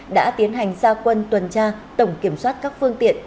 đã tiến hành gia quân tuần tra tổng kiểm soát các phương tiện